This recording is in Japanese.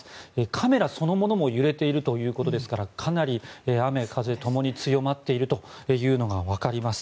カメラそのものも揺れているということですからかなり雨風ともに強まっているのがわかります。